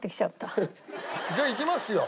じゃあいきますよ。